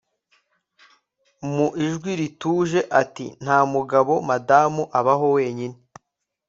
mu ijwi rituje ati nta mugabo. madamu abaho wenyine